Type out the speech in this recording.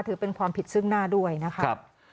ถือเป็นความผิดซึ่งหน้าด้วยนะครับ